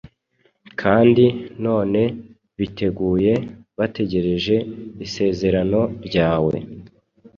kandi none biteguye, bategereje isezerano ryawe.”